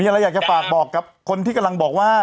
อะไรอยากจะฝากบอกกับคนที่กำลังบอกว่า